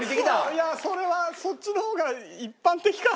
いやそれはそっちの方が一般的か。